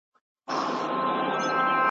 ګیله له خپلو کېږي `